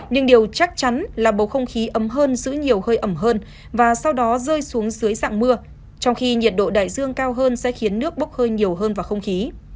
nhưng điều chắc chắn là bầu không khí ấm hơn giữ nhiều hơi ẩm hơn và sau đó rơi xuống dưới dạng mưa trong khi nhiệt độ đại dương cao hơn sẽ khiến nước bốc hơi nhiều hơn vào không khí